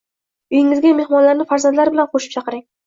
uyingizga mehmonlarni farzandlari bilan qo‘shib chaqiring